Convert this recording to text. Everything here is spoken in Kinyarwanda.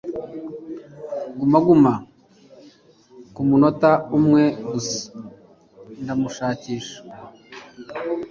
Guma guma kumunota umwe gusa ndamushakisha.